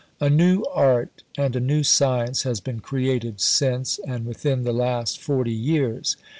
"A new art, and a new science, has been created since and within the last forty years.